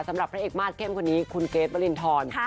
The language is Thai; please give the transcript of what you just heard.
สำหรับพระเอกมากเข้มคนนี้คุณเกรท์วัลินทร